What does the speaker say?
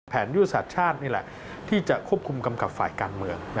ยุทธศาสตร์ชาตินี่แหละที่จะควบคุมกำกับฝ่ายการเมือง